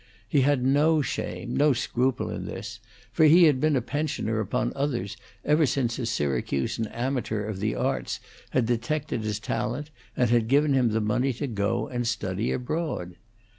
He had no shame, no scruple in this, for he had been a pensioner upon others ever since a Syracusan amateur of the arts had detected his talent and given him the money to go and study abroad.